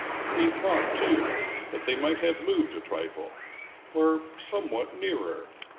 He thought, too, that they might have moved a trifle — were somewhat nearer.